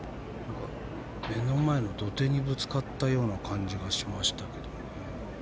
目の前の土手にぶつかったような感じがしましたけど。